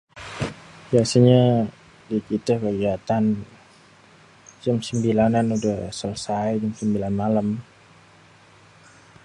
Biasanya di kité kegiatan jam sembilanan udah selesai, jam sembilan malém.